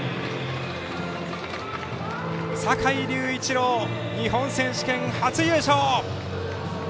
坂井隆一郎、日本選手権初優勝！